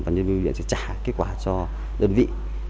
và nhân viên biểu điện sẽ trả kết quả cho đơn vị